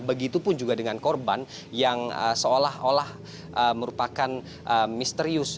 begitupun juga dengan korban yang seolah olah merupakan misterius